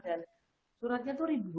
dan suratnya itu rp satu